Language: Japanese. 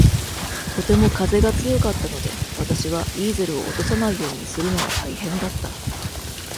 とても風が強かったので私はイーゼルを落とさないようにするのが大変だった。